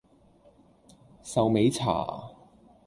壽眉茶